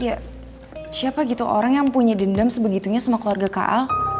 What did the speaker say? ya siapa gitu orang yang punya dendam sebegitunya sama keluarga kak al